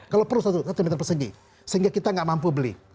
kalau perlu satu cm persegi sehingga kita nggak mampu beli